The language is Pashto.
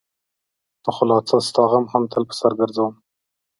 ته خو لا څه؛ ستا غم هم تل په سر ګرځوم.